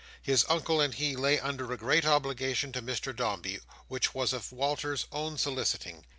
His Uncle and he lay under a great obligation to Mr Dombey, which was of Walter's own soliciting.